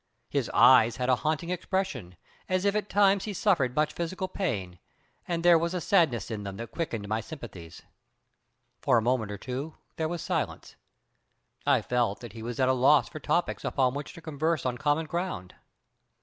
His eyes had a haunting expression, as if at times he suffered much physical pain, and there was a sadness in them that quickened my sympathies. For a minute or so there was silence. I felt that he was at a loss for topics upon which to converse on common ground.